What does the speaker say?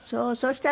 そう。